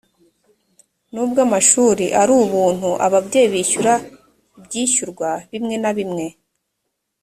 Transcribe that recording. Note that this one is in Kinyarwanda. nubwo amashuri ari ubuntu ababyeyi bishyura ibyishyurwa bimwe na bimwe.